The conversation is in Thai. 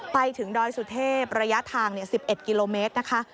ดอยสุเทพระยะทาง๑๑กิโลเมตรนะคะ